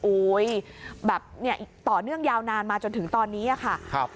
โอ้ยแบบเนี้ยต่อเนื่องยาวนานมาจนถึงตอนนี้อะค่ะครับ